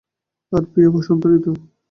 আর প্রিয়া বসন্তঋতু।